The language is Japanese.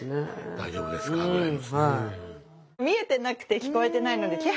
大丈夫ですか？ぐらいの。